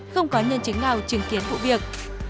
không có nhân chứng nào chứng kiến vụ việc